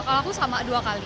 kalau aku sama dua kali